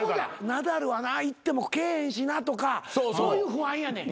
ナダルはないってもけえへんしなとかそういう不安やねん。